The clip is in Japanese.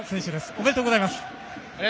おめでとうございます。